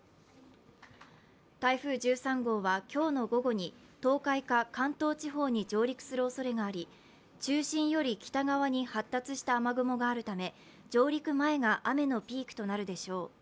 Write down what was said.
台風１３号は今日の午後に東海か関東地方に上陸するおそれがあり、中心より北側に発達した雨雲があるため上陸前が雨のピークとなるでしょう。